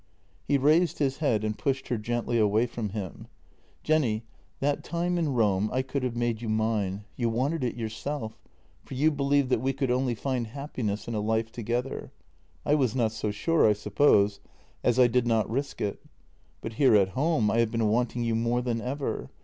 He raised his head and pushed her gently away from him: "Jenny, that time in Rome I could have made you mine — you wanted it yourself, for you believed that we could only find happiness in a life together. I was not so sure, I suppose, as I did not risk it. But here at home I have been wanting you more than ever.